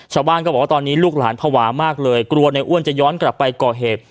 ชาวบ้านก็บอกว่าตอนนี้ลูกหลานภาวะมากเลยกลัวในอ้วนจะย้อนกลับไปก่อเหตุ